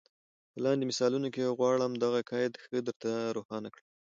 په لاندي مثالونو کي غواړم دغه قید ښه در ته روښان کړم.